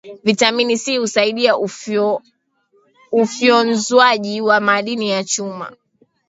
vitamini C husaidia ufyonzwaji wa madini ya chuma